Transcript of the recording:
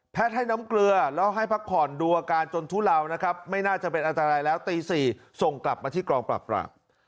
ให้น้ำเกลือแล้วให้พักผ่อนดูอาการจนทุเลานะครับไม่น่าจะเป็นอันตรายแล้วตี๔ส่งกลับมาที่กองปราบปราบ